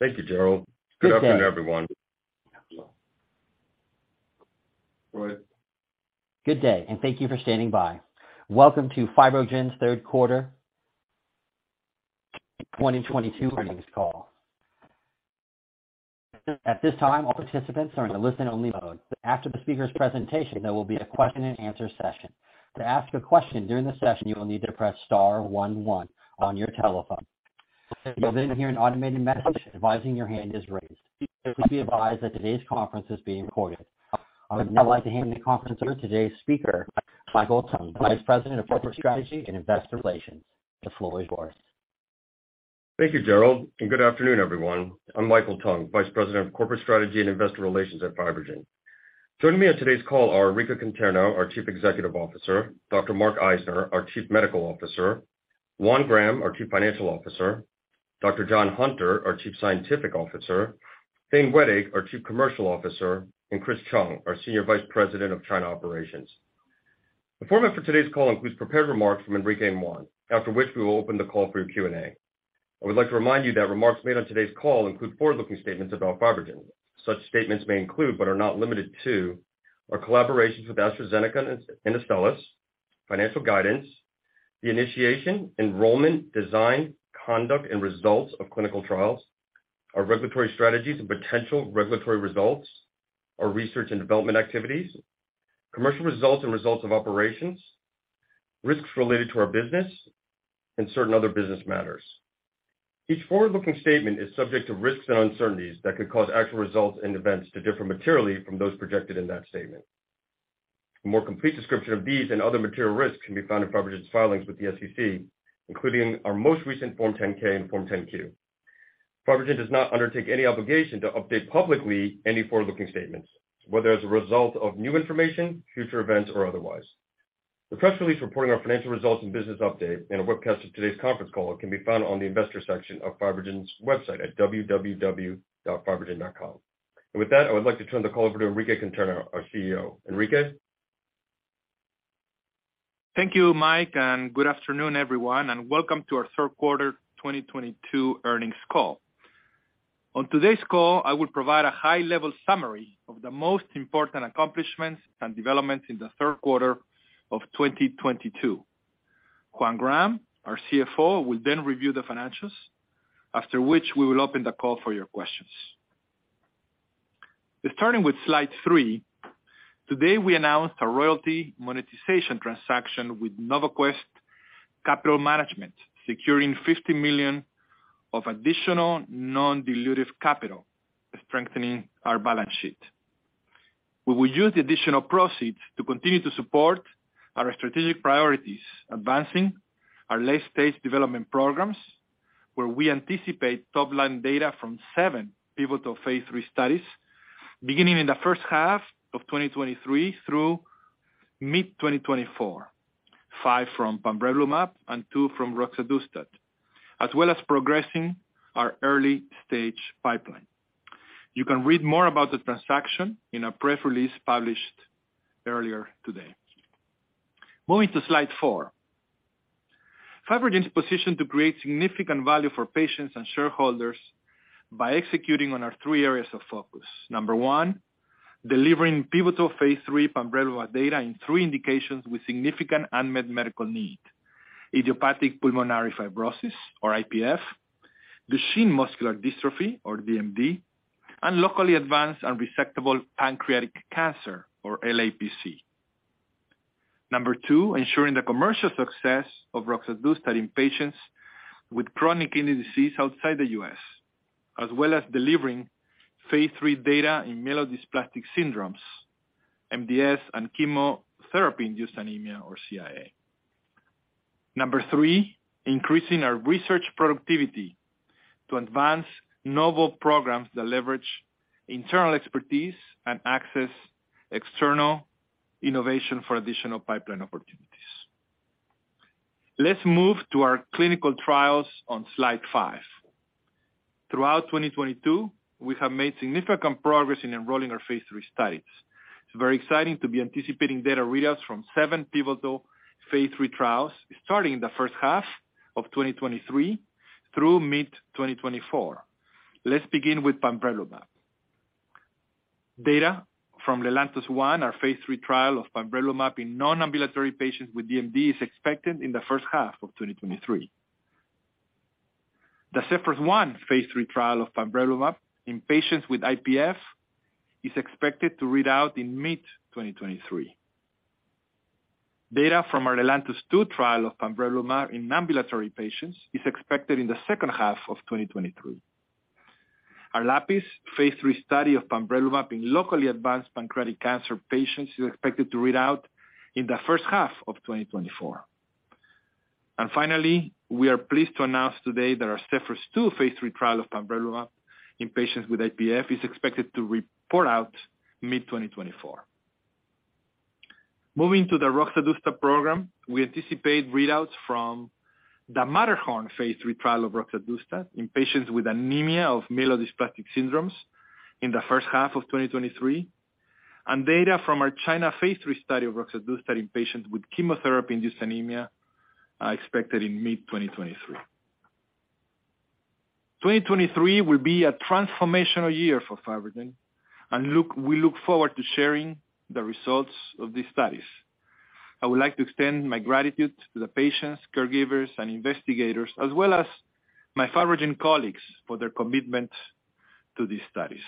Good day, and thank you for standing by. Welcome to FibroGen's third quarter 2022 earnings call. At this time, all participants are in a listen-only mode. After the speaker's presentation, there will be a question-and-answer session. To ask a question during the session, you will need to press star one one on your telephone. You'll then hear an automated message advising your hand is raised. Please be advised that today's conference is being recorded. I would now like to hand the conference over to today's speaker, Michael Tung, Vice President of Corporate Strategy and Investor Relations. The floor is yours. Thank you Gerald. And good afternoon, everyone. I'm Michael Tung, Vice President of Corporate Strategy and Investor Relations at FibroGen. Joining me on today's call are Enrique Conterno, our Chief Executive Officer, Dr. Mark Eisner, our Chief Medical Officer, Juan Graham, our Chief Financial Officer, Dr. John Hunter, our Chief Scientific Officer, Thane Wettig, our Chief Commercial Officer, and Chris Chung, our Senior Vice President of China Operations. The format for today's call includes prepared remarks from Enrique and Juan, after which we will open the call for your Q&A. I would like to remind you that remarks made on today's call include forward-looking statements about FibroGen. Such statements may include, but are not limited to, our collaborations with AstraZeneca and Astellas, financial guidance, the initiation, enrollment, design, conduct, and results of clinical trials, our regulatory strategies and potential regulatory results, our research and development activities, commercial results and results of operations, risks related to our business, and certain other business matters. Each forward-looking statement is subject to risks and uncertainties that could cause actual results and events to differ materially from those projected in that statement. A more complete description of these and other material risks can be found in FibroGen's filings with the SEC, including our most recent Form 10-K and Form 10-Q. FibroGen does not undertake any obligation to update publicly any forward-looking statements, whether as a result of new information, future events, or otherwise. The press release reporting our financial results and business update and a webcast of today's conference call can be found on the investor section of FibroGen's website at www.fibrogen.com. With that, I would like to turn the call over to Enrique Conterno, our CEO. Enrique? Thank you Mike, and good afternoon, everyone, and welcome to our third quarter 2022 earnings call. On today's call, I will provide a high-level summary of the most important accomplishments and developments in the third quarter of 2022. Juan Graham, our CFO, will then review the financials, after which we will open the call for your questions. Starting with slide three, today we announced a royalty monetization transaction with NovaQuest Capital Management, securing $50 million of additional non-dilutive capital, strengthening our balance sheet. We will use the additional proceeds to continue to support our strategic priorities, advancing our late-stage development programs, where we anticipate top-line data from seven pivotal phase III studies, beginning in the first half of 2023 through mid-2024. Five from pamrevlumab and two from roxadustat, as well as progressing our early stage pipeline. You can read more about the transaction in a press release published earlier today. Moving to slide four. FibroGen is positioned to create significant value for patients and shareholders by executing on our three areas of focus. Number one, delivering pivotal phase III pamrevlumab data in three indications with significant unmet medical need, idiopathic pulmonary fibrosis or IPF, Duchenne muscular dystrophy or DMD, and locally advanced resectable pancreatic cancer or LAPC. Number two, ensuring the commercial success of roxadustat in patients with chronic kidney disease outside the U.S., as well as delivering phase III data in myelodysplastic syndromes, MDS, and chemotherapy-induced anemia or CIA. Number three, increasing our research productivity to advance novel programs that leverage internal expertise and access external innovation for additional pipeline opportunities. Let's move to our clinical trials on slide five. Throughout 2022, we have made significant progress in enrolling our phase III studies. It's very exciting to be anticipating data readouts from seven pivotal phase III trials starting in the first half of 2023 through mid-2024. Let's begin with pamrevlumab. Data from LELANTOS-1, our phase III trial of pamrevlumab in non-ambulatory patients with DMD, is expected in the first half of 2023. The ZEPHYRUS-1 phase III trial of pamrevlumab in patients with IPF is expected to read out in mid-2023. Data from our LELANTOS-2 trial of pamrevlumab in ambulatory patients is expected in the second half of 2023. Our LAPIS phase III study of pamrevlumab in locally advanced pancreatic cancer patients is expected to read out in the first half of 2024. Finally, we are pleased to announce today that our ZEPHYRUS-2 phase III trial of pamrevlumab in patients with IPF is expected to report out mid-2024. Moving to the roxadustat program, we anticipate readouts from the MATTERHORN phase III trial of roxadustat in patients with anemia of myelodysplastic syndromes in the first half of 2023. Data from our China phase III study of roxadustat in patients with chemotherapy-induced anemia are expected in mid-2023. 2023 will be a transformational year for FibroGen, and look, we look forward to sharing the results of these studies. I would like to extend my gratitude to the patients, caregivers, and investigators, as well as my FibroGen colleagues for their commitment to these studies.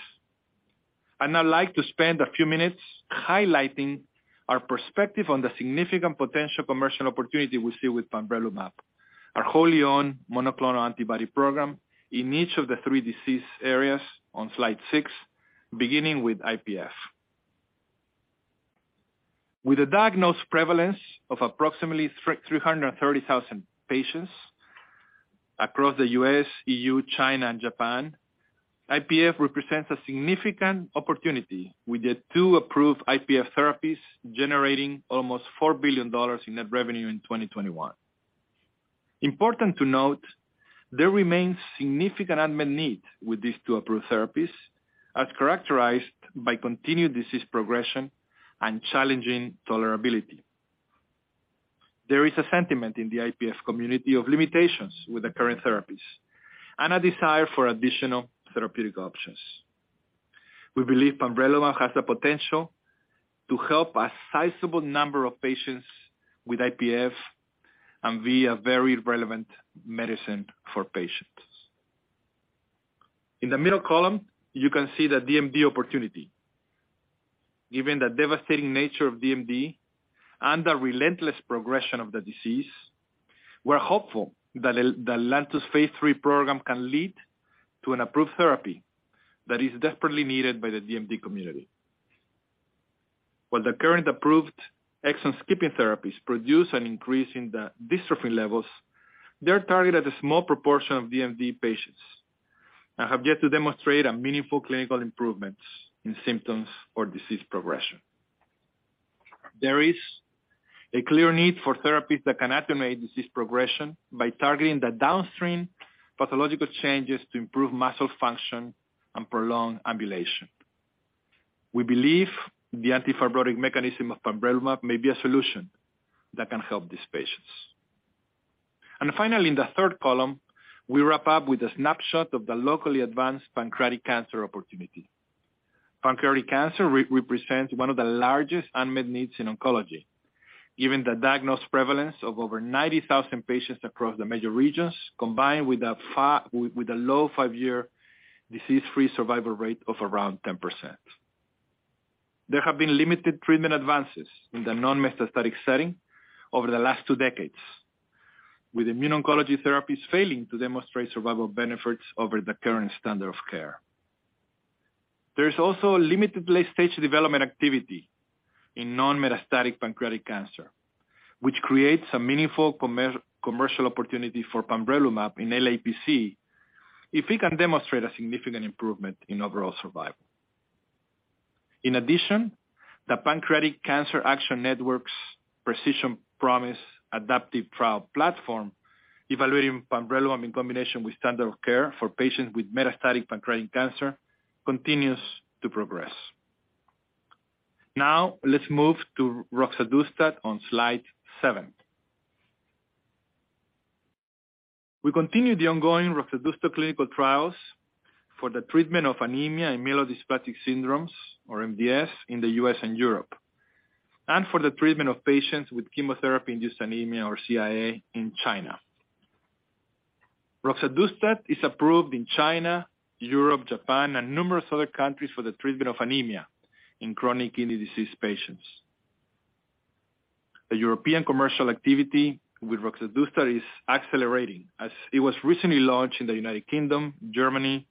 I'd now like to spend a few minutes highlighting our perspective on the significant potential commercial opportunity we see with pamrevlumab, our wholly-owned monoclonal antibody program in each of the three disease areas on slide six, beginning with IPF. With a diagnosed prevalence of approximately 330,000 patients across the U.S., E.U., China, and Japan, IPF represents a significant opportunity with the two approved IPF therapies, generating almost $4 billion in net revenue in 2021. Important to note, there remains significant unmet need with these two approved therapies, as characterized by continued disease progression and challenging tolerability. There is a sentiment in the IPF community of limitations with the current therapies and a desire for additional therapeutic options. We believe pamrevlumab has the potential to help a sizable number of patients with IPF and be a very relevant medicine for patients. In the middle column, you can see the DMD opportunity. Given the devastating nature of DMD and the relentless progression of the disease, we're hopeful that the LELANTOS phase III program can lead to an approved therapy that is desperately needed by the DMD community. While the current approved exon-skipping therapies produce an increase in the dystrophin levels, they're targeted at a small proportion of DMD patients and have yet to demonstrate a meaningful clinical improvement in symptoms or disease progression. There is a clear need for therapies that can attenuate disease progression by targeting the downstream pathological changes to improve muscle function and prolong ambulation. We believe the anti-fibrotic mechanism of pamrevlumab may be a solution that can help these patients. Finally, in the third column, we wrap up with a snapshot of the locally advanced pancreatic cancer opportunity. Pancreatic cancer represents one of the largest unmet needs in oncology, given the diagnosed prevalence of over 90,000 patients across the major regions, combined with a low five-year disease-free survival rate of around 10%. There have been limited treatment advances in the non-metastatic setting over the last two decades, with immuno-oncology therapies failing to demonstrate survival benefits over the current standard of care. There is also limited late-stage development activity in non-metastatic pancreatic cancer, which creates a meaningful commercial opportunity for pamrevlumab in LAPC if we can demonstrate a significant improvement in overall survival. In addition, the Pancreatic Cancer Action Network's Precision Promise adaptive trial platform, evaluating pamrevlumab in combination with standard of care for patients with metastatic pancreatic cancer, continues to progress. Now, let's move to roxadustat on slide seven. We continue the ongoing roxadustat clinical trials for the treatment of anemia in myelodysplastic syndromes, or MDS, in the U.S. and Europe, and for the treatment of patients with chemotherapy-induced anemia, or CIA, in China. Roxadustat is approved in China, Europe, Japan, and numerous other countries for the treatment of anemia in chronic kidney disease patients. The European commercial activity with roxadustat is accelerating as it was recently launched in the United Kingdom, Germany,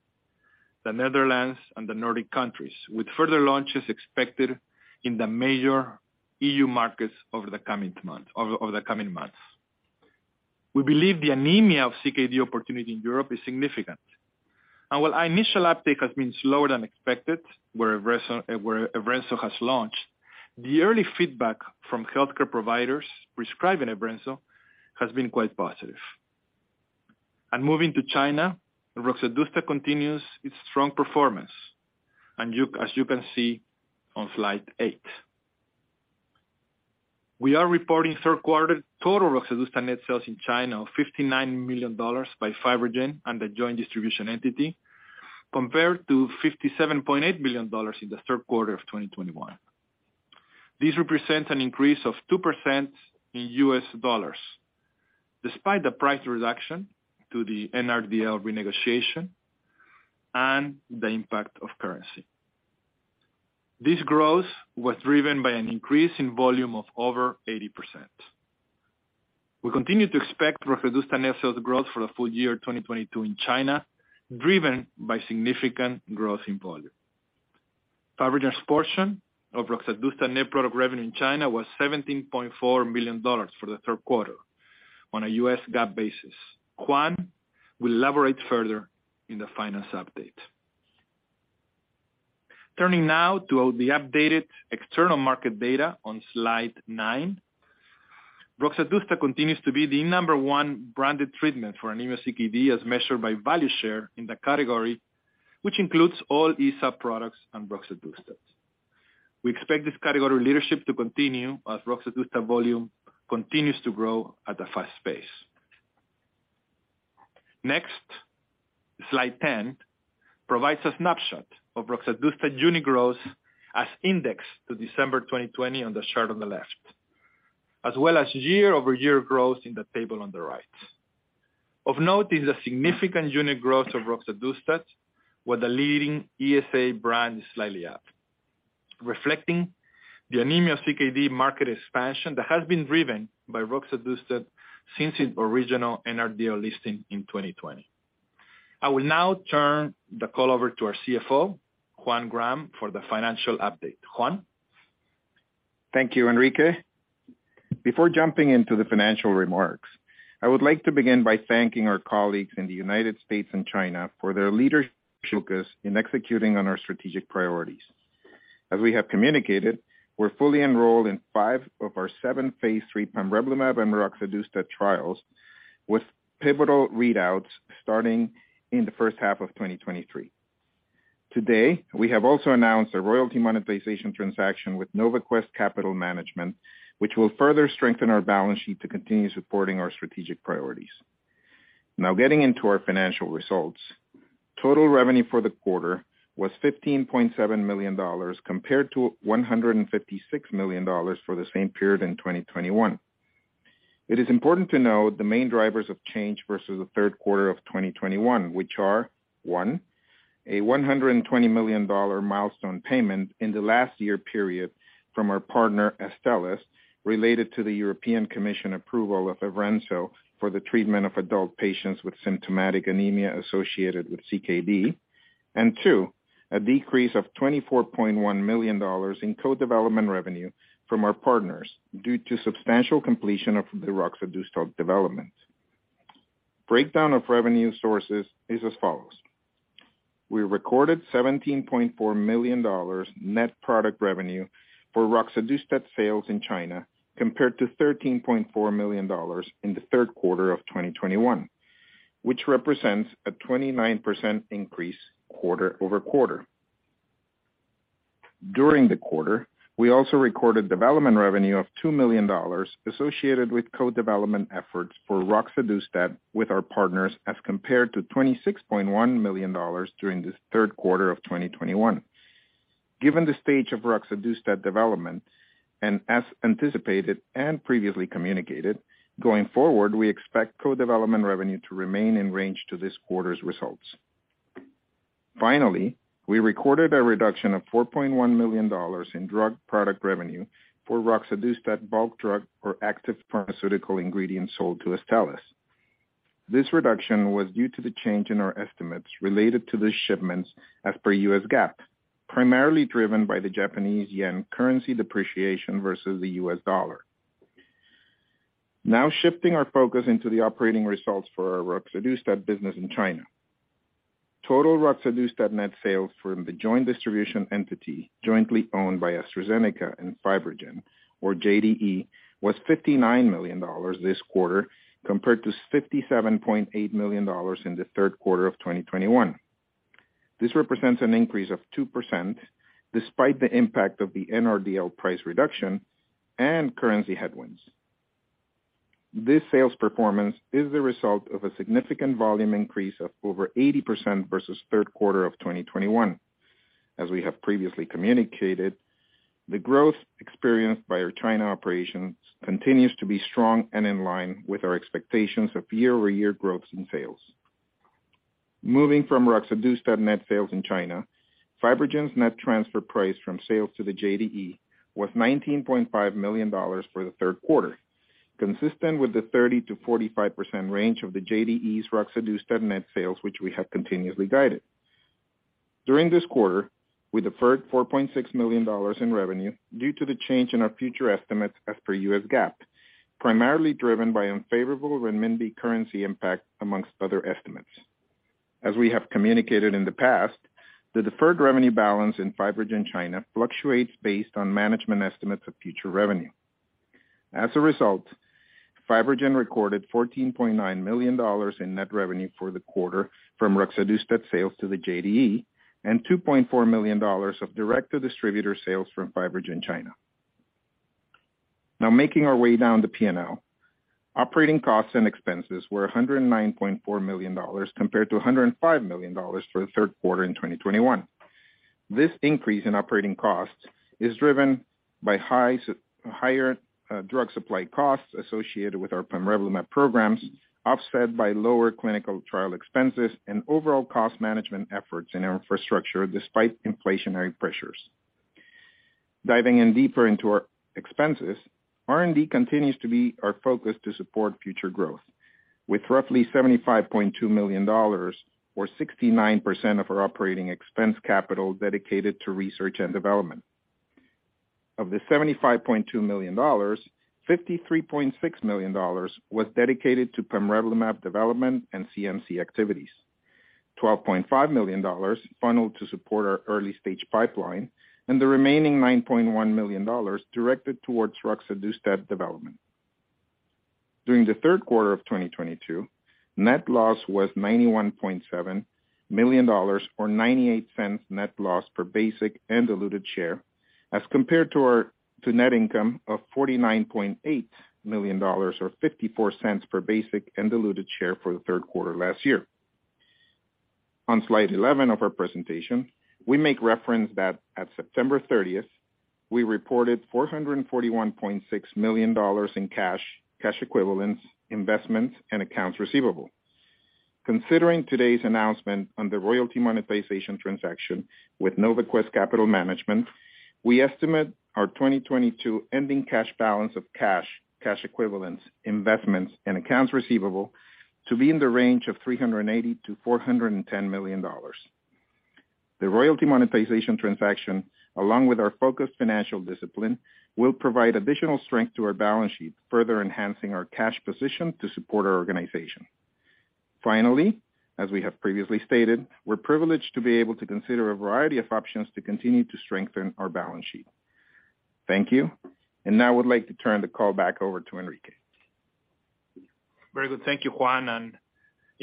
the Netherlands, and the Nordic countries, with further launches expected in the major EU markets over the coming months. We believe the anemia of CKD opportunity in Europe is significant, and while our initial uptake has been slower than expected, where Evrenzo has launched, the early feedback from healthcare providers prescribing Evrenzo has been quite positive. Moving to China, roxadustat continues its strong performance, and as you can see on slide eight. We are reporting third quarter total roxadustat net sales in China of $59 million by FibroGen and the joint distribution entity, compared to $57.8 million in the third quarter of 2021. This represents an increase of 2% in US dollars, despite the price reduction to the NRDL renegotiation and the impact of currency. This growth was driven by an increase in volume of over 80%. We continue to expect roxadustat net sales growth for the full year 2022 in China, driven by significant growth in volume. FibroGen's portion of roxadustat net product revenue in China was $17.4 million for the third quarter on a U.S. GAAP basis. Juan will elaborate further in the finance update. Turning now to all the updated external market data on slide nine. Roxadustat continues to be the number one branded treatment for anemia CKD as measured by value share in the category, which includes all ESA products and roxadustat. We expect this category leadership to continue as roxadustat volume continues to grow at a fast pace. Next, slide 10 provides a snapshot of roxadustat unit growth as indexed to December 2020 on the chart on the left, as well as year-over-year growth in the table on the right. Of note is a significant unit growth of roxadustat, where the leading ESA brand is slightly up, reflecting the anemia CKD market expansion that has been driven by roxadustat since its original NRDL listing in 2020. I will now turn the call over to our CFO, Juan Graham, for the financial update. Juan. Thank you, Enrique. Before jumping into the financial remarks, I would like to begin by thanking our colleagues in the United States and China for their leadership focus in executing on our strategic priorities. As we have communicated, we're fully enrolled in five of our seven phase III pamrevlumab and roxadustat trials, with pivotal readouts starting in the first half of 2023. Today, we have also announced a royalty monetization transaction with NovaQuest Capital Management, which will further strengthen our balance sheet to continue supporting our strategic priorities. Now getting into our financial results. Total revenue for the quarter was $15.7 million compared to $156 million for the same period in 2021. It is important to note the main drivers of change versus the third quarter of 2021, which are, one, a $120 million milestone payment in the last year period from our partner, Astellas, related to the European Commission approval of Evrenzo for the treatment of adult patients with symptomatic anemia associated with CKD. Two, a decrease of $24.1 million in co-development revenue from our partners due to substantial completion of the roxadustat development. Breakdown of revenue sources is as follows. We recorded $17.4 million net product revenue for roxadustat sales in China, compared to $13.4 million in the third quarter of 2021, which represents a 29% increase quarter-over-quarter. During the quarter, we also recorded development revenue of $2 million associated with co-development efforts for roxadustat with our partners, as compared to $26.1 million during the third quarter of 2021. Given the stage of roxadustat development, and as anticipated and previously communicated, going forward, we expect co-development revenue to remain in range to this quarter's results. Finally, we recorded a reduction of $4.1 million in drug product revenue for roxadustat bulk drug or active pharmaceutical ingredients sold to Astellas. This reduction was due to the change in our estimates related to the shipments as per U.S. GAAP, primarily driven by the Japanese yen currency depreciation versus the US dollar. Now shifting our focus into the operating results for our roxadustat business in China. Total roxadustat net sales from the joint distribution entity jointly owned by AstraZeneca and FibroGen, or JDE, was $59 million this quarter, compared to $57.8 million in the third quarter of 2021. This represents an increase of 2% despite the impact of the NRDL price reduction and currency headwinds. This sales performance is the result of a significant volume increase of over 80% versus third quarter of 2021. As we have previously communicated, the growth experienced by our China operations continues to be strong and in line with our expectations of year-over-year growth in sales. Moving from roxadustat net sales in China, FibroGen's net transfer price from sales to the JDE was $19.5 million for the third quarter, consistent with the 30%-45% range of the JDE's roxadustat net sales, which we have continuously guided. During this quarter, we deferred $4.6 million in revenue due to the change in our future estimates as per U.S. GAAP, primarily driven by unfavorable renminbi currency impact among other estimates. We have communicated in the past, the deferred revenue balance in FibroGen China fluctuates based on management estimates of future revenue. As a result, FibroGen recorded $14.9 million in net revenue for the quarter from roxadustat sales to the JDE and $2.4 million of direct distributor sales from FibroGen China. Now making our way down to P&L. Operating costs and expenses were $109.4 million, compared to $105 million for the third quarter in 2021. This increase in operating costs is driven by higher drug supply costs associated with our pamrevlumab programs, offset by lower clinical trial expenses and overall cost management efforts in our infrastructure despite inflationary pressures. Diving in deeper into our expenses, R&D continues to be our focus to support future growth with roughly $75.2 million or 69% of our operating expense capital dedicated to research and development. Of the $75.2 million, $53.6 million was dedicated to pamrevlumab development and CMC activities. $12.5 million funneled to support our early-stage pipeline and the remaining $9.1 million directed towards roxadustat development. During the third quarter of 2022, net loss was $91.7 million or $0.98 net loss per basic and diluted share as compared to our net income of $49.8 million or $0.54 per basic and diluted share for the third quarter last year. On slide 11 of our presentation, we make reference that at September 30th, we reported $441.6 million in cash equivalents, investments, and accounts receivable. Considering today's announcement on the royalty monetization transaction with NovaQuest Capital Management, we estimate our 2022 ending cash balance of cash equivalents, investments, and accounts receivable to be in the range of $380 million-$410 million. The royalty monetization transaction, along with our focused financial discipline, will provide additional strength to our balance sheet, further enhancing our cash position to support our organization. Finally, as we have previously stated, we're privileged to be able to consider a variety of options to continue to strengthen our balance sheet. Thank you. Now I would like to turn the call back over to Enrique. Very good. Thank you, Juan.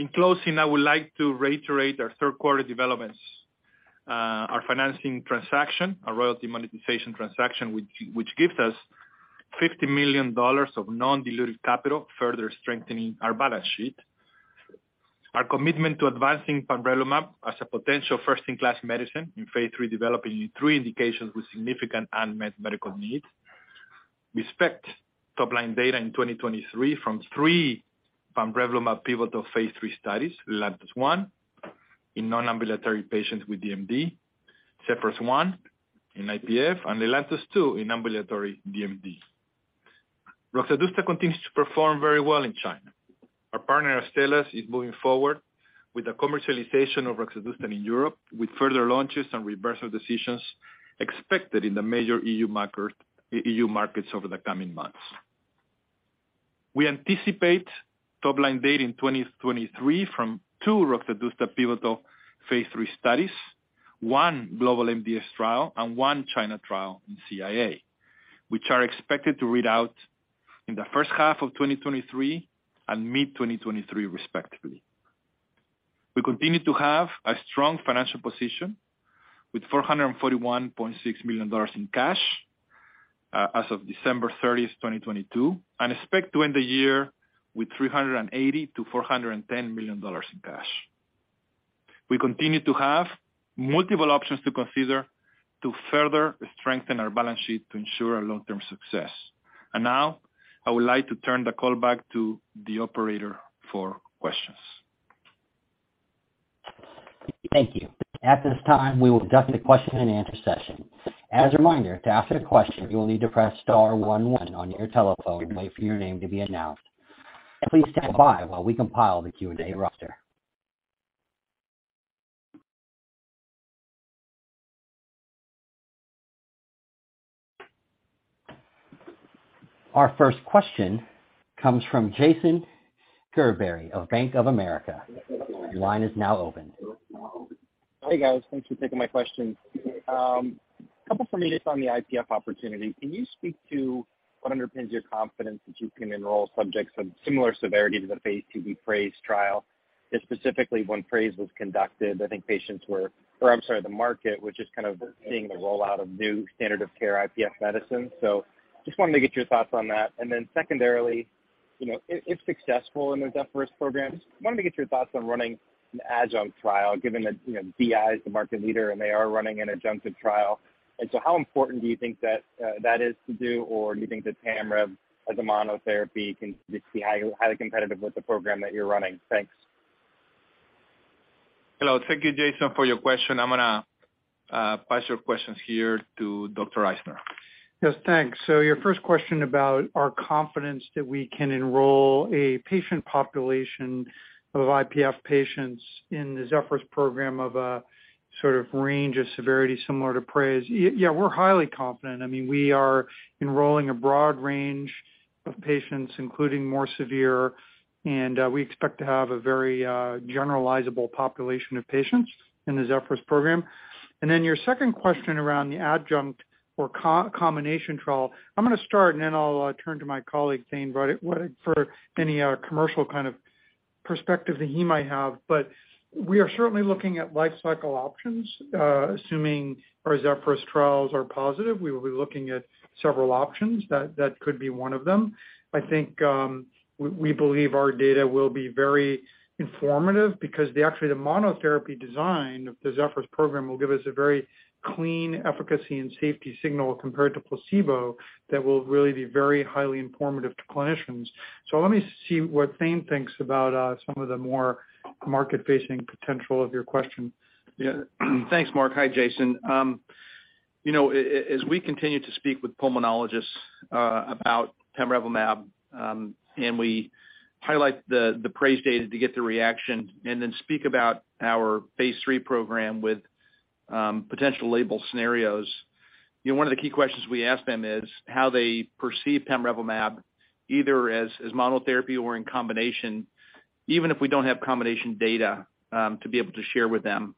In closing, I would like to reiterate our third quarter developments, our financing transaction, our royalty monetization transaction, which gives us $50 million of non-dilutive capital, further strengthening our balance sheet. Our commitment to advancing pamrevlumab as a potential first-in-class medicine in phase III development in three indications with significant unmet medical needs. We expect top-line data in 2023 from three pamrevlumab pivotal phase III studies, LELANTOS-1 in non-ambulatory patients with DMD, ZEPHYRUS-1 in IPF, and LELANTOS-2 in ambulatory DMD. Roxadustat continues to perform very well in China. Our partner Astellas is moving forward with the commercialization of roxadustat in Europe, with further launches and reimbursement decisions expected in the major EU markets over the coming months. We anticipate top-line data in 2023 from two roxadustat pivotal phase III studies, one global MDS trial and one China trial in CIA, which are expected to read out in the first half of 2023 and mid-2023 respectively. We continue to have a strong financial position with $441.6 million in cash as of December 30th, 2022, and expect to end the year with $380 million-$410 million in cash. We continue to have multiple options to consider to further strengthen our balance sheet to ensure our long-term success. Now, I would like to turn the call back to the operator for questions. Thank you. At this time, we will conduct the question-and-answer session. As a reminder, to ask a question, you will need to press star one one on your telephone and wait for your name to be announced. Please stand by while we compile the Q&A roster. Our first question comes from Jason Gerberry of Bank of America. Your line is now open. Hi, guys. Thanks for taking my questions. A couple for me just on the IPF opportunity. Can you speak to what underpins your confidence that you can enroll subjects of similar severity to the phase II-B PRAISE trial? Just specifically when PRAISE was conducted, I think the market was just kind of seeing the rollout of new standard of care IPF medicine. Just wanted to get your thoughts on that. Secondarily, you know, if successful in the ZEPHYRUS program, just wanted to get your thoughts on running an adjunct trial given that, you know, BI is the market leader, and they are running an adjunctive trial. How important do you think that is to do? Do you think that pamrev as a monotherapy can just be highly competitive with the program that you're running? Thanks. Hello. Thank you, Jason, for your question. I'm gonna pass your questions here to Dr. Eisner. Yes. Thanks. Your first question about our confidence that we can enroll a patient population of IPF patients in the ZEPHYRUS program of a sort of range of severity similar to PRAISE. Yeah, we're highly confident. I mean, we are enrolling a broad range of patients, including more severe, and we expect to have a very generalizable population of patients in the ZEPHYRUS program. Your second question around the adjunct or combination trial, I'm gonna start, and then I'll turn to my colleague, Thane Wettig for any commercial kind of perspective that he might have. We are certainly looking at life cycle options, assuming our ZEPHYRUS trials are positive. We will be looking at several options. That could be one of them. I think, we believe our data will be very informative because actually, the monotherapy design of the ZEPHYRUS program will give us a very clean efficacy and safety signal compared to placebo that will really be very highly informative to clinicians. Let me see what Thane thinks about some of the more market-facing potential of your question. Yeah. Thanks, Mark. Hi, Jason. You know, as we continue to speak with pulmonologists about pamrevlumab, and we highlight the PRAISE data to get the reaction and then speak about our phase III program with potential label scenarios. You know, one of the key questions we ask them is how they perceive pamrevlumab either as monotherapy or in combination, even if we don't have combination data to be able to share with them.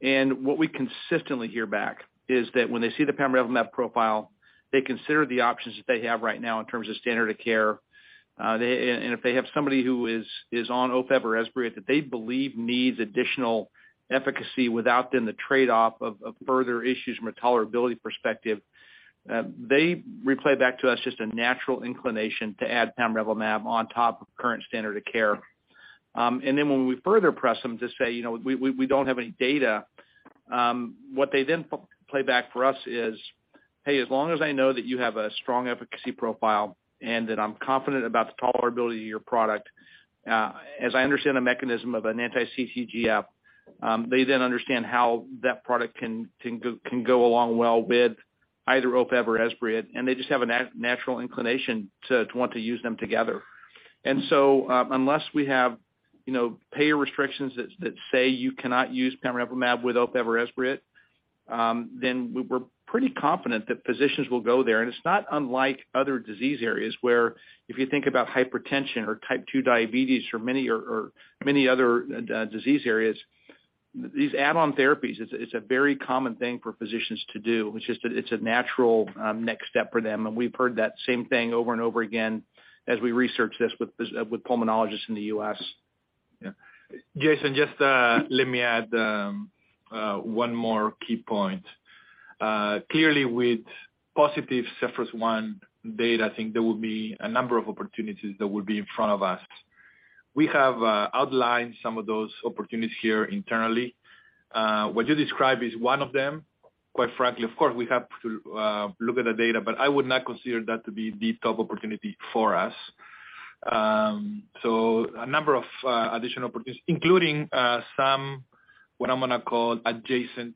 What we consistently hear back is that when they see the pamrevlumab profile, they consider the options that they have right now in terms of standard of care. If they have somebody who is on OFEV or Esbriet that they believe needs additional efficacy without the trade-off of further issues from a tolerability perspective, they relay back to us just a natural inclination to add pamrevlumab on top of current standard of care. Then when we further press them to say, "You know, we don't have any data," what they then play back for us is, "Hey, as long as I know that you have a strong efficacy profile and that I'm confident about the tolerability of your product, as I understand the mechanism of an anti-CTGF," they then understand how that product can go along well with either OFEV or Esbriet, and they just have a natural inclination to want to use them together. Unless we have, you know, payer restrictions that say you cannot use pamrevlumab with Ofev or Esbriet, then we're pretty confident that physicians will go there. It's not unlike other disease areas where if you think about hypertension or type two diabetes or many other disease areas, these add-on therapies, it's a very common thing for physicians to do. It's just a natural next step for them. We've heard that same thing over and over again as we research this with pulmonologists in the U.S. Yeah. Jason, just let me add one more key point. Clearly with positive ZEPHYRUS-1 data, I think there will be a number of opportunities that will be in front of us. We have outlined some of those opportunities here internally. What you describe is one of them, quite frankly. Of course, we have to look at the data, but I would not consider that to be the top opportunity for us. A number of additional opportunities, including some what I'm gonna call adjacent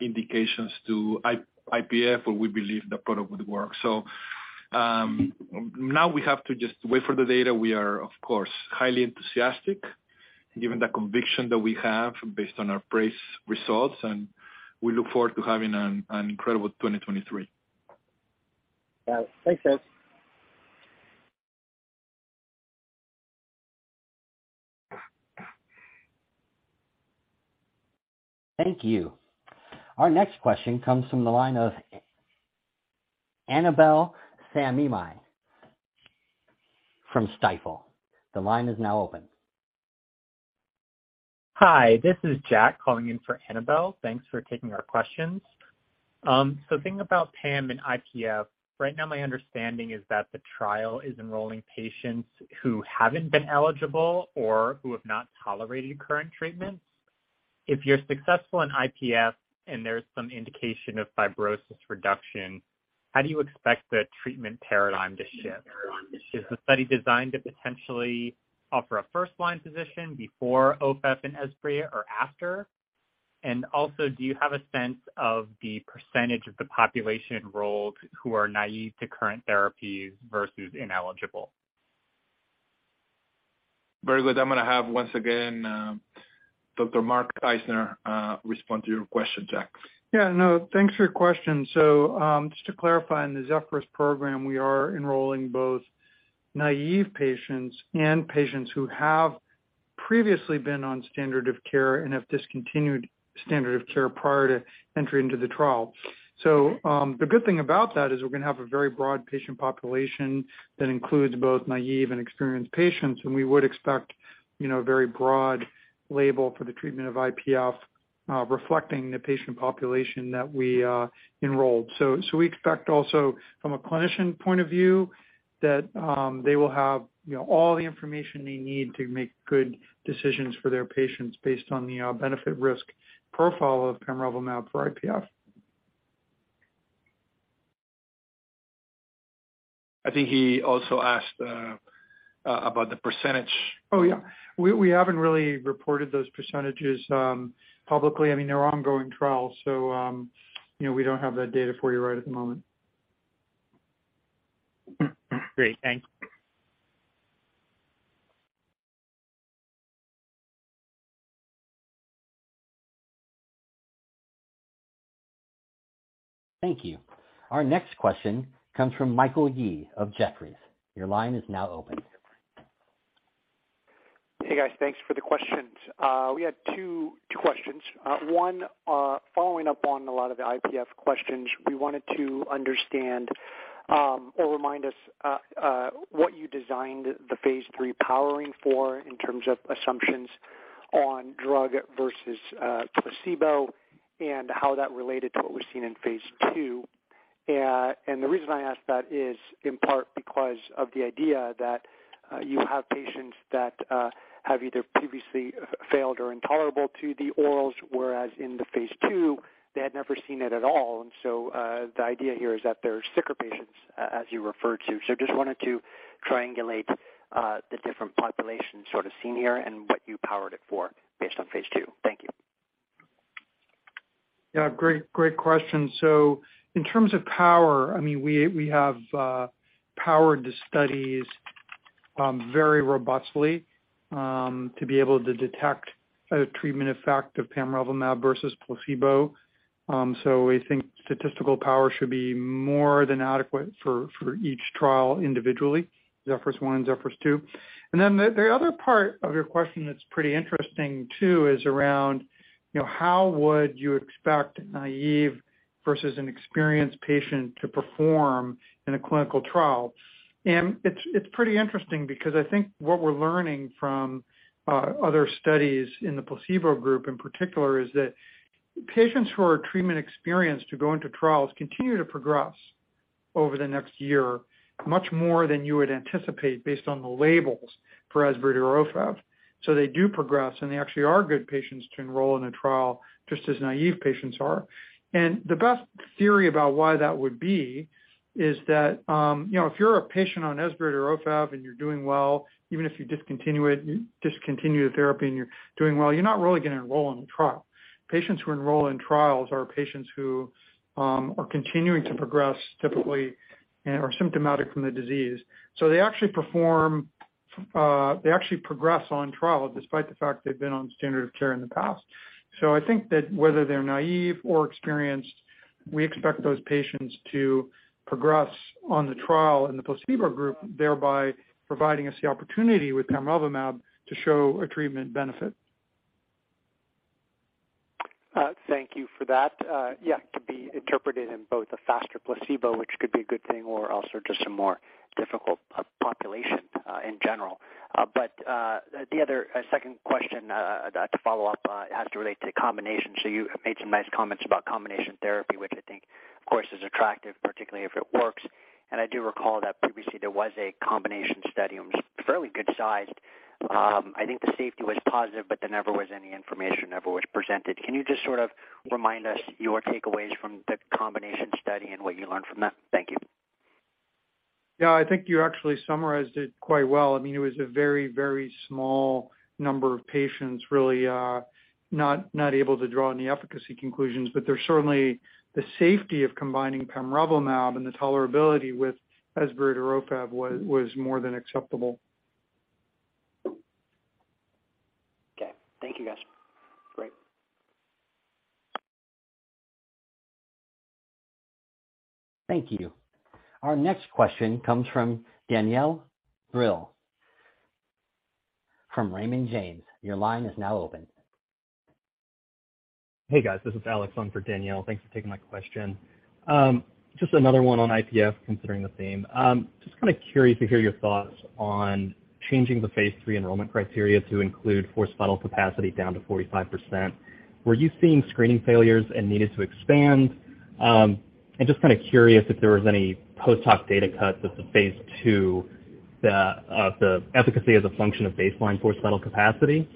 indications to IPF where we believe the product would work. Now we have to just wait for the data. We are, of course, highly enthusiastic given the conviction that we have based on our PRAISE results, and we look forward to having an incredible 2023. Thanks guys. Thank you. Our next question comes from the line of Annabel Samimy from Stifel. The line is now open. Hi, this is Jack calling in for Annabel. Thanks for taking our questions. Thinking about pam and IPF, right now my understanding is that the trial is enrolling patients who haven't been eligible or who have not tolerated current treatments. If you're successful in IPF and there's some indication of fibrosis reduction, how do you expect the treatment paradigm to shift? Is the study designed to potentially offer a first-line position before OFEV and Esbriet or after? And also, do you have a sense of the percentage of the population enrolled who are naive to current therapies versus ineligible? Very good. I'm gonna have once again, Dr. Mark Eisner, respond to your question, Jack. Yeah, no. Thanks for your question. Just to clarify, in the ZEPHYRUS program, we are enrolling both naive patients and patients who have previously been on standard of care and have discontinued standard of care prior to entry into the trial. The good thing about that is we're gonna have a very broad patient population that includes both naive and experienced patients, and we would expect, you know, a very broad label for the treatment of IPF, reflecting the patient population that we enrolled. We expect also from a clinician point of view that they will have, you know, all the information they need to make good decisions for their patients based on the benefit risk profile of pamrevlumab for IPF. I think he also asked about the percentage. Oh, yeah. We haven't really reported those percentages publicly. I mean, they're ongoing trials, so, you know, we don't have that data for you right at the moment. Great. Thanks. Thank you. Our next question comes from Michael Yee of Jefferies. Your line is now open. Hey, guys. Thanks for the questions. We had two questions. One, following up on a lot of the IPF questions, we wanted to understand, or remind us, what you designed the phase III powering for in terms of assumptions on drug versus placebo and how that related to what we've seen in phase II. The reason I ask that is in part because of the idea that you have patients that have either previously failed or intolerant to the orals, whereas in the phase II, they had never seen it at all. The idea here is that they're sicker patients as you refer to. Just wanted to triangulate the different populations sort of seen here and what you powered it for based on phase II. Thank you. Yeah, great question. In terms of power, I mean, we have powered the studies. Very robustly, to be able to detect a treatment effect of pamrevlumab versus placebo. We think statistical power should be more than adequate for each trial individually, ZEPHYRUS-1, ZEPHYRUS-2. Then the other part of your question that's pretty interesting too is around, you know, how would you expect naive versus an experienced patient to perform in a clinical trial? It's pretty interesting because I think what we're learning from other studies in the placebo group in particular, is that patients who are treatment experienced to go into trials continue to progress over the next year, much more than you would anticipate based on the labels for Esbriet or OFEV. They do progress, and they actually are good patients to enroll in a trial, just as naive patients are. The best theory about why that would be is that, you know, if you're a patient on Esbriet or OFEV and you're doing well, even if you discontinue the therapy, you're not really gonna enroll in the trial. Patients who enroll in trials are patients who are continuing to progress typically and are symptomatic from the disease. They actually progress on trial despite the fact they've been on standard of care in the past. I think that whether they're naive or experienced, we expect those patients to progress on the trial in the placebo group, thereby providing us the opportunity with pamrevlumab to show a treatment benefit. Thank you for that. Yeah, it could be interpreted in both a faster placebo, which could be a good thing, or also just a more difficult population, in general. The other, second question, to follow up, has to relate to the combination. You made some nice comments about combination therapy, which I think, of course, is attractive, particularly if it works. I do recall that previously there was a combination study, it was fairly good sized. I think the safety was positive, but there never was any information presented. Can you just sort of remind us your takeaways from the combination study and what you learned from that? Thank you. Yeah. I think you actually summarized it quite well. I mean, it was a very, very small number of patients really, not able to draw any efficacy conclusions. There's certainly the safety of combining pamrevlumab and the tolerability with Esbriet or OFEV was more than acceptable. Okay. Thank you, guys. Great. Thank you. Our next question comes from Danielle Brill from Raymond James. Your line is now open. Hey, guys. This is Alex on for Danielle. Thanks for taking my question. Just another one on IPF considering the theme. Just kind of curious to hear your thoughts on changing the phase III enrollment criteria to include forced vital capacity down to 45%. Were you seeing screening failures and needed to expand? Just kind of curious if there was any post-hoc data cut with the phase II that the efficacy as a function of baseline forced vital capacity.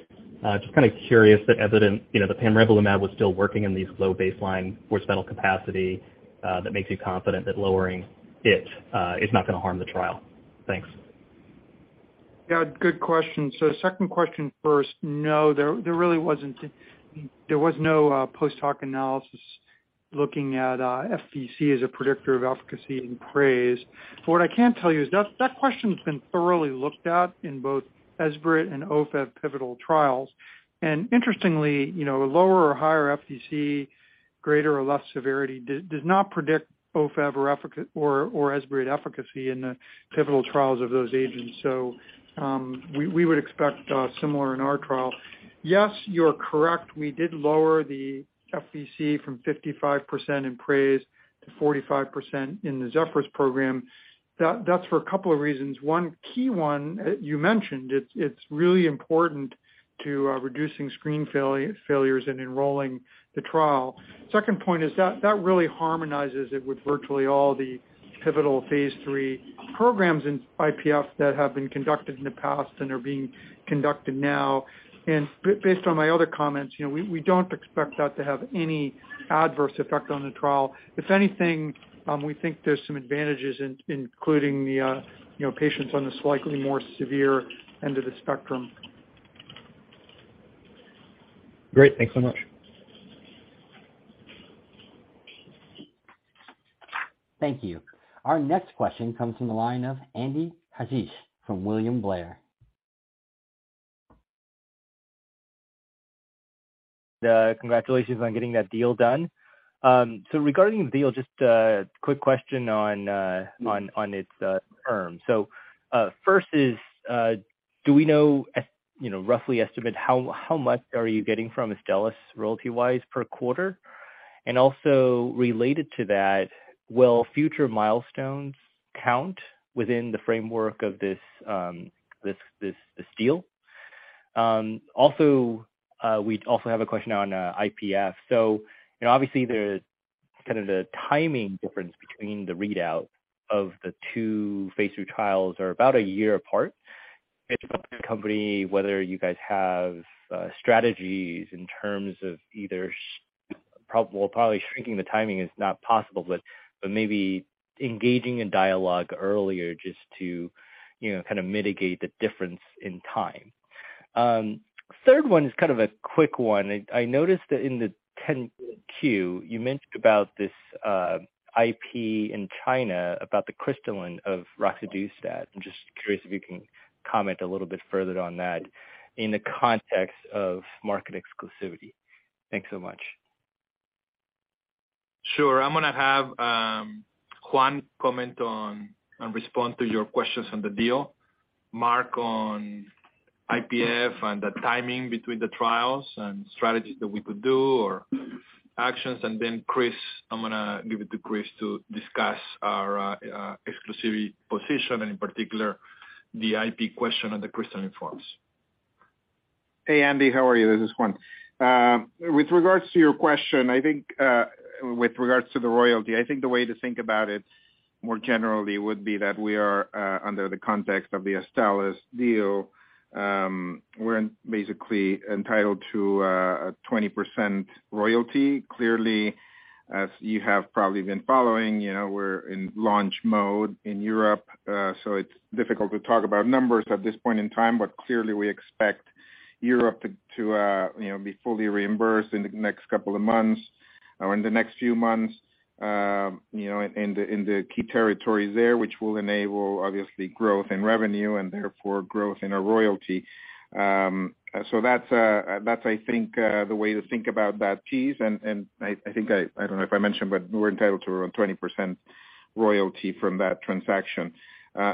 Just kind of curious the evidence, you know, the pamrevlumab was still working in these low baseline forced vital capacity that makes you confident that lowering it is not gonna harm the trial. Thanks. Yeah, good question. Second question first. No, there really wasn't. There was no post-hoc analysis looking at FVC as a predictor of efficacy in PRAISE. What I can tell you is that question's been thoroughly looked at in both Esbriet and OFEV pivotal trials. Interestingly, you know, a lower or higher FVC, greater or less severity does not predict OFEV or Esbriet efficacy in the pivotal trials of those agents. We would expect similar in our trial. Yes, you're correct. We did lower the FVC from 55% in PRAISE to 45% in the ZEPHYRUS program. That's for a couple of reasons. One key one you mentioned, it's really important to reducing screen failures and enrolling the trial. Second point is that really harmonizes it with virtually all the pivotal phase III programs in IPF that have been conducted in the past and are being conducted now. Based on my other comments, you know, we don't expect that to have any adverse effect on the trial. If anything, we think there's some advantages including the, you know, patients on the slightly more severe end of the spectrum. Great. Thanks so much. Thank you. Our next question comes from the line of Andy Hsieh from William Blair. Congratulations on getting that deal done. Regarding the deal, just a quick question on its terms. First is, do we know you know, roughly estimate how much are you getting from Astellas royalty-wise per quarter? And also related to that, will future milestones count within the framework of this deal? Also, we also have a question on IPF. You know, obviously there's kind of the timing difference between the readout of the two phase III trials are about a year apart. Company, whether you guys have strategies in terms of either well, probably shrinking the timing is not possible, but maybe engaging in dialogue earlier just to, you know, kind of mitigate the difference in time. Third one is kind of a quick one. I noticed that in the Form 10-Q, you mentioned about this IP in China, about the crystalline of roxadustat. I'm just curious if you can comment a little bit further on that in the context of market exclusivity. Thanks so much. Sure. I'm gonna have Juan comment on and respond to your questions on the deal, Mark on IPF and the timing between the trials and strategies that we could do or actions. Then Chris, I'm gonna give it to Chris to discuss our exclusivity position and in particular the IP question on the crystalline forms. Hey, Andy, how are you? This is Juan. With regards to your question, I think with regards to the royalty, I think the way to think about it more generally would be that we are under the context of the Astellas deal. We're basically entitled to a 20% royalty. Clearly, as you have probably been following, you know, we're in launch mode in Europe. So it's difficult to talk about numbers at this point in time, but clearly we expect Europe to you know, be fully reimbursed in the next couple of months or in the next few months, you know, in the key territories there, which will enable obviously growth in revenue and therefore growth in our royalty. So that's I think the way to think about that piece. I think, I don't know if I mentioned, but we're entitled to around 20% royalty from that transaction.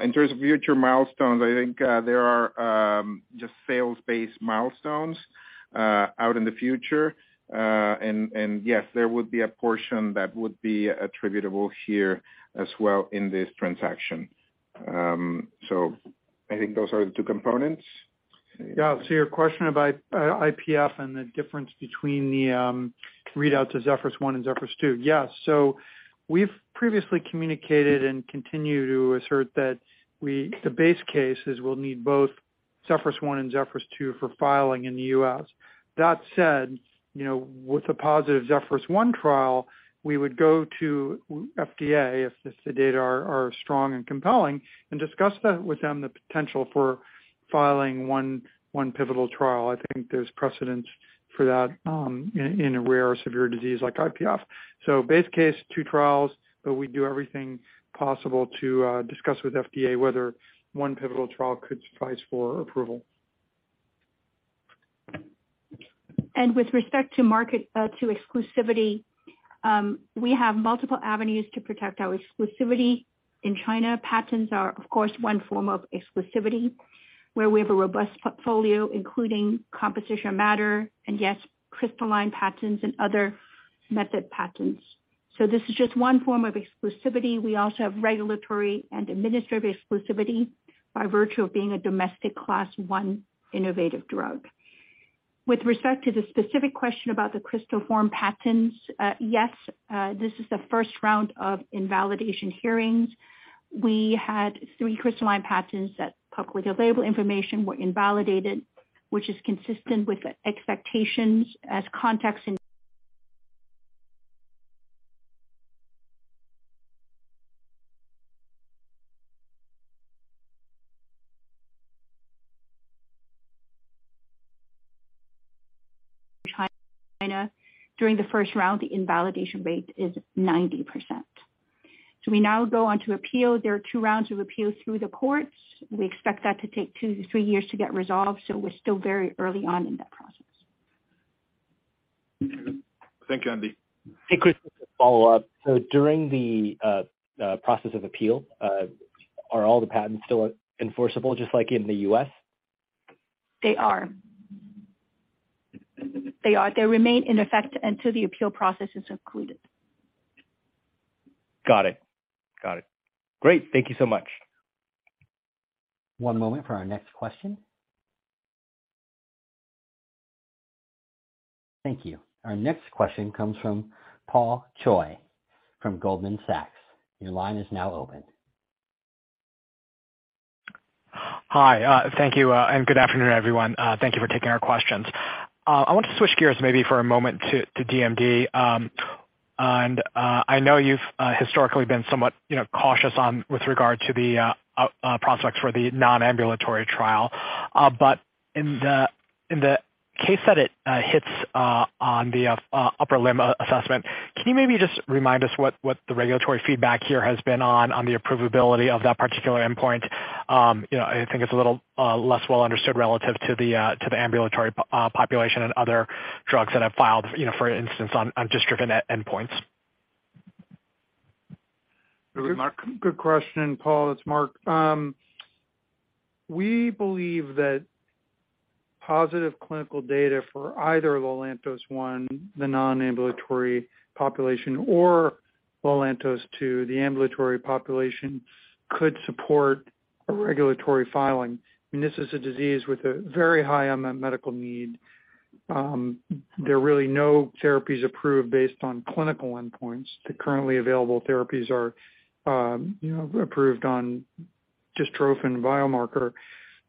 In terms of future milestones, I think, there are just sales-based milestones out in the future. Yes, there would be a portion that would be attributable here as well in this transaction. I think those are the two components. Yeah. Your question about IPF and the difference between the readouts of ZEPHYRUS-1 and ZEPHYRUS-2. Yes. We've previously communicated and continue to assert that the base case is we'll need both ZEPHYRUS-1 and ZEPHYRUS-2 for filing in the U.S. That said, you know, with a positive ZEPHYRUS-1 trial, we would go to FDA if the data are strong and compelling, and discuss that with them the potential for filing one pivotal trial. I think there's precedence for that in a rare severe disease like IPF. Base case, two trials, but we'd do everything possible to discuss with FDA whether one pivotal trial could suffice for approval. With respect to market, to exclusivity, we have multiple avenues to protect our exclusivity in China. Patents are of course one form of exclusivity, where we have a robust portfolio, including composition of matter, and yes, crystalline patents and other method patents. This is just one form of exclusivity. We also have regulatory and administrative exclusivity by virtue of being a domestic Class 1 innovative drug. With respect to the specific question about the crystal form patents, yes, this is the first round of invalidation hearings. We had three crystalline patents that publicly available information were invalidated, which is consistent with expectations as context in China. During the first round, the invalidation rate is 90%. We now go on to appeal. There are two rounds of appeals through the courts. We expect that to take two to three years to get resolved, so we're still very early on in that process. Thank you, Andy. Hey, Chris, just a follow-up. During the process of appeal, are all the patents still enforceable just like in the U.S.? They are. They remain in effect until the appeal process is concluded. Got it. Got it. Great. Thank you so much. One moment for our next question. Thank you. Our next question comes from Paul Choi from Goldman Sachs. Your line is now open. Hi. Thank you and good afternoon, everyone. Thank you for taking our questions. I want to switch gears maybe for a moment to DMD. I know you've historically been somewhat, you know, cautious on with regard to the prospects for the non-ambulatory trial. In the case that it hits on the upper limb assessment, can you maybe just remind us what the regulatory feedback here has been on the approvability of that particular endpoint? You know, I think it's a little less well understood relative to the ambulatory population and other drugs that have filed, you know, for instance, on dystrophin endpoints. Mark? Good question, Paul. It's Mark. We believe that positive clinical data for either LELANTOS-1, the non-ambulatory population, or LELANTOS-2, the ambulatory population, could support a regulatory filing. This is a disease with a very high unmet medical need. There are really no therapies approved based on clinical endpoints. The currently available therapies are, you know, approved on dystrophin biomarker.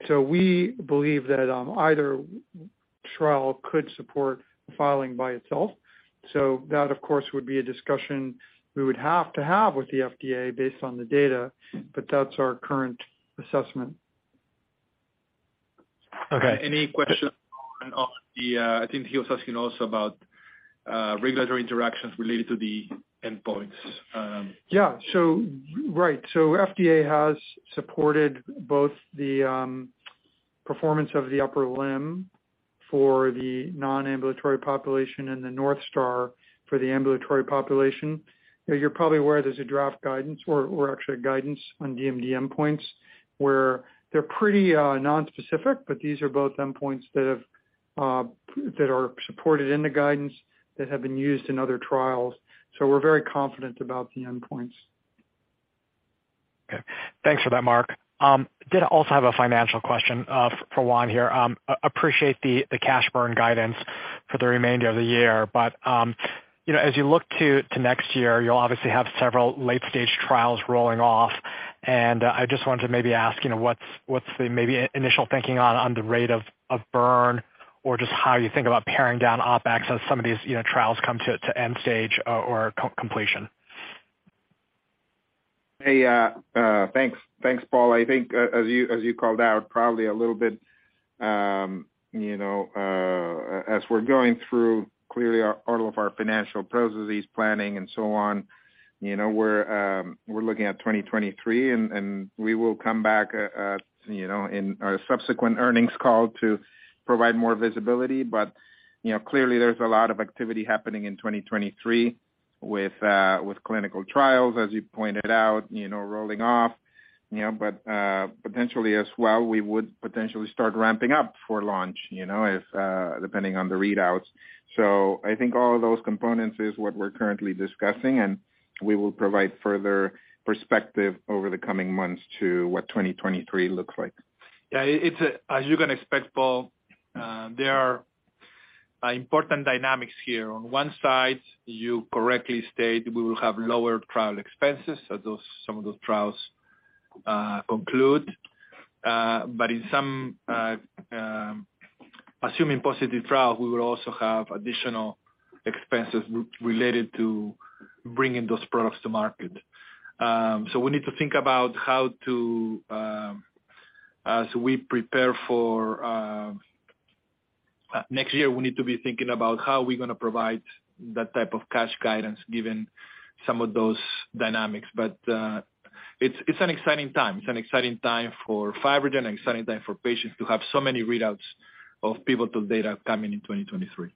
We believe that, either- Trial could support filing by itself. That, of course, would be a discussion we would have to have with the FDA based on the data, but that's our current assessment. Okay. I think he was asking also about regulatory interactions related to the endpoints. Yeah. Right. FDA has supported both the performance of the upper limb for the non-ambulatory population and the North Star for the ambulatory population. You're probably aware there's a draft guidance or actually a guidance on DMD endpoints where they're pretty non-specific, but these are both endpoints that are supported in the guidance that have been used in other trials. We're very confident about the endpoints. Okay. Thanks for that, Mark. I also have a financial question for Juan here. Appreciate the cash burn guidance for the remainder of the year. You know, as you look to next year, you'll obviously have several late-stage trials rolling off. I just wanted to maybe ask, you know, what's the maybe initial thinking on the rate of burn or just how you think about paring down OpEx as some of these, you know, trials come to end stage or completion. Hey, thanks. Thanks, Paul. I think, as you called out, probably a little bit, you know, as we're going through clearly all of our financial processes, planning and so on. You know, we're looking at 2023 and we will come back, you know, in our subsequent earnings call to provide more visibility. You know, clearly there's a lot of activity happening in 2023 with clinical trials, as you pointed out, you know, rolling off. You know, potentially as well, we would potentially start ramping up for launch, you know, if depending on the readouts. I think all of those components is what we're currently discussing, and we will provide further perspective over the coming months to what 2023 looks like. Yeah, it's as you can expect, Paul, there are important dynamics here. On one side, you correctly state we will have lower trial expenses as some of those trials conclude. Assuming positive trials, we will also have additional expenses related to bringing those products to market. As we prepare for next year, we need to be thinking about how we're gonna provide that type of cash guidance given some of those dynamics. It's an exciting time. It's an exciting time for FibroGen, an exciting time for patients to have so many readouts of Phase II data coming in 2023.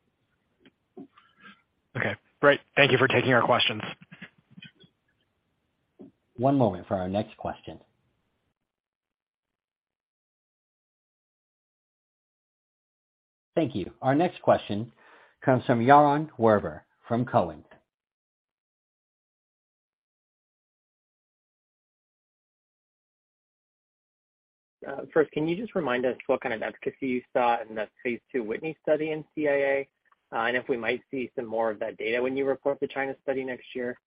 Okay, great. Thank you for taking our questions. One moment for our next question. Thank you. Our next question comes from Yaron Werber from Cowen. First, can you just remind us what kind of efficacy you saw in that phase II WHITNEY study in CAA? If we might see some more of that data when you report the China study next year.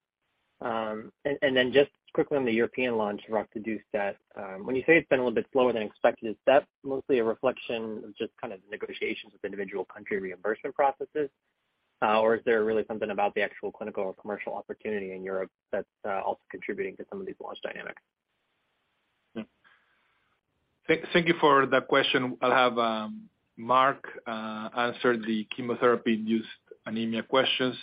Just quickly on the European launch roxadustat, when you say it's been a little bit slower than expected, is that mostly a reflection of just kind of the negotiations with individual country reimbursement processes? Is there really something about the actual clinical or commercial opportunity in Europe that's also contributing to some of these launch dynamics? Thank you for that question. I'll have Mark answer the chemotherapy-induced anemia questions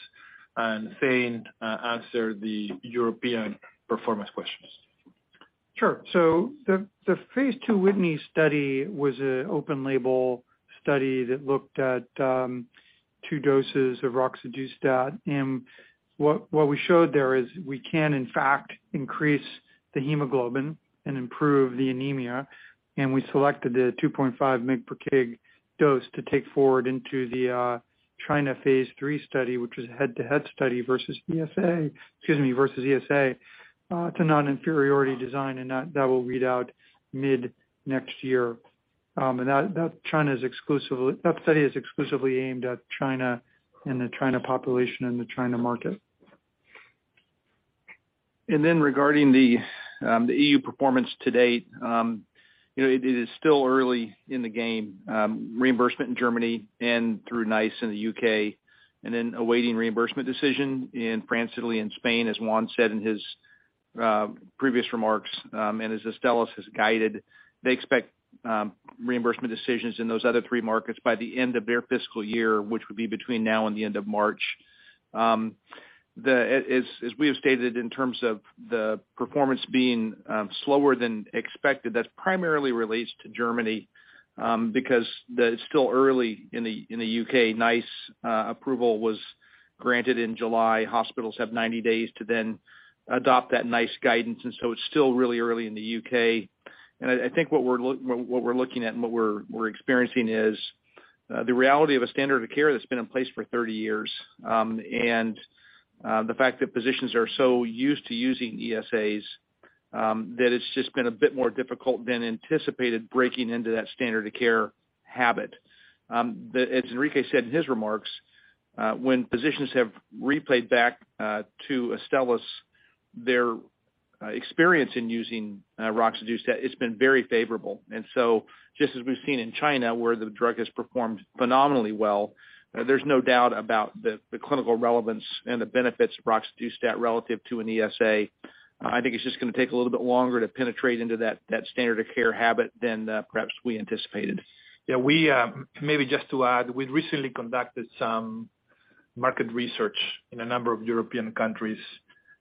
and Thane answer the European performance questions. Sure. The phase II WHITNEY study was an open-label study that looked at two doses of roxadustat. What we showed there is we can in fact increase the hemoglobin and improve the anemia. We selected the 2.5 mg per kg dose to take forward into the China phase III study, which was a head-to-head study versus ESA to non-inferiority design, and that will read out mid next year. That study is exclusively aimed at China and the China population and the China market. Regarding the EU performance to date, you know, it is still early in the game, reimbursement in Germany and through NICE in the U.K., and then awaiting reimbursement decision in France, Italy, and Spain, as Juan said in his previous remarks, and as Astellas has guided, they expect reimbursement decisions in those other three markets by the end of their fiscal year, which would be between now and the end of March. As we have stated, in terms of the performance being slower than expected, that primarily relates to Germany, because it's still early in the U.K. NICE approval was granted in July. Hospitals have 90 days to then adopt that NICE guidance, and so it's still really early in the U.K. I think what we're looking at and what we're experiencing is the reality of a standard of care that's been in place for 30 years. The fact that physicians are so used to using ESAs, that it's just been a bit more difficult than anticipated breaking into that standard of care habit. As Enrique said in his remarks, when physicians have played back to Astellas their experience in using roxadustat, it's been very favorable. Just as we've seen in China, where the drug has performed phenomenally well, there's no doubt about the clinical relevance and the benefits of roxadustat relative to an ESA. I think it's just gonna take a little bit longer to penetrate into that standard of care habit than perhaps we anticipated. Yeah. We maybe just to add, we recently conducted some market research in a number of European countries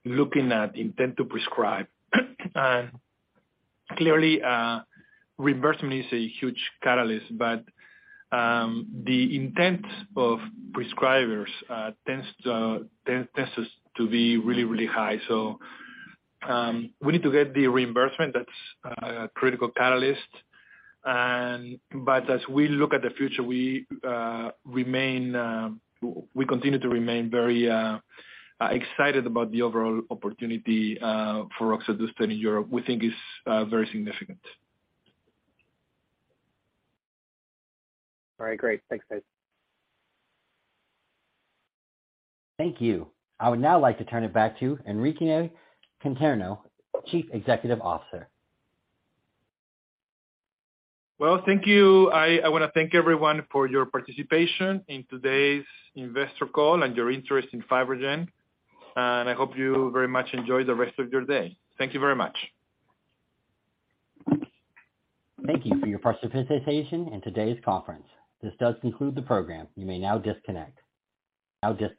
looking at intent to prescribe. Clearly, reimbursement is a huge catalyst, but the intent of prescribers tends to be really, really high. We need to get the reimbursement. That's a critical catalyst. As we look at the future, we continue to remain very excited about the overall opportunity for roxadustat in Europe. We think it's very significant. All right. Great. Thanks, guys. Thank you. I would now like to turn it back to Enrique Conterno, Chief Executive Officer. Well, thank you. I wanna thank everyone for your participation in today's investor call and your interest in FibroGen, and I hope you very much enjoy the rest of your day. Thank you very much. Thank you for your participation in today's conference. This does conclude the program. You may now disconnect. Now disconnect.